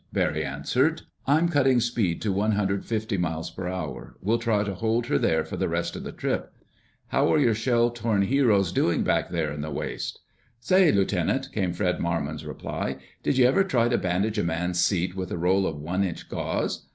Barry answered. "I'm cutting speed to one hundred fifty m.p.h. We'll try to hold her there for the rest of the trip. How are your shell torn heroes doing back there in the waist?" "Say, Lieutenant," came Fred Marmon's reply, "did you ever try to bandage a man's seat with a roll of one inch gauze?